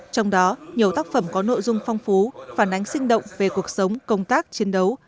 trong đó nhiều tác phẩm có nội dung phong phú phản ánh sinh động về cuộc sống công tác chiến đấu